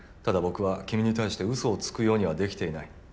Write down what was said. ただ僕は君に対してうそをつくようにはできていない。